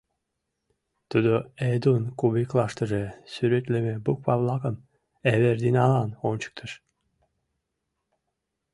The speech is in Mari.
Тудо Эдун кубиклаштыже сӱретлыме буква-влакым Эвердиналан ончыктыш.